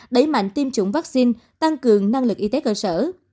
đẩy mạnh tiêm chủng vaccine tăng cường năng lực y tế cơ sở